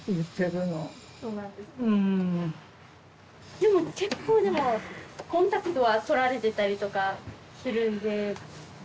でも結構コンタクトは取られてたりとかするんで。